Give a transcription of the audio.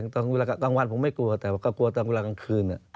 กลางวันผมไม่กลัวแต่ว่าก็กลัวตอนเวลากลางคืน